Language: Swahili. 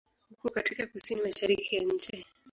Uko katika kusini-mashariki ya nchi.